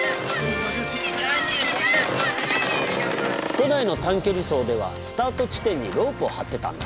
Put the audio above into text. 古代の短距離走ではスタート地点にロープを張ってたんだ。